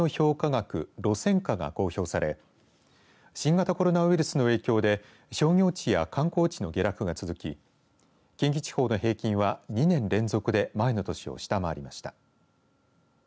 額路線価が公表され新型コロナウイルスの影響で商業地や観光地の下落が続き近畿地方の平均は２年連続で前の年を下回りました。